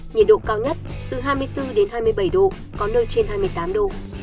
nhiệt độ cao nhất từ hai mươi bốn đến hai mươi bảy độ có nơi trên hai mươi tám độ